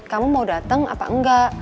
kamu mau dateng apa engga